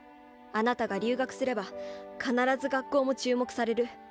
あなたが留学すれば必ず学校も注目される。